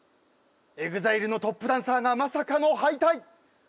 ＥＸＩＬＥのトップダンサーがまさかの敗退。